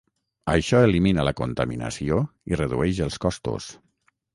Això elimina la contaminació i redueix els costos.